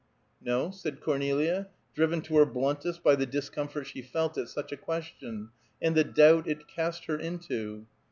"No," said Cornelia, driven to her bluntest by the discomfort she felt at such a question, and the doubt it cast her into.